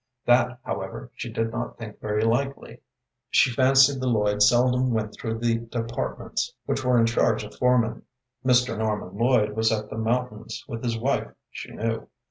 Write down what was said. That, however, she did not think very likely. She fancied the Lloyds seldom went through the departments, which were in charge of foremen. Mr. Norman Lloyd was at the mountains with his wife, she knew.